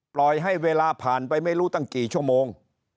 ปล่อยให้เวลาผ่านไปไม่รู้ตั้งกี่ชั่วโมง